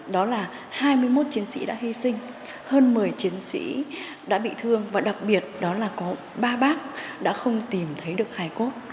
đó là hai mươi một chiến sĩ đã hy sinh hơn một mươi chiến sĩ đã bị thương và đặc biệt đó là có ba bác đã không tìm thấy được hài cốt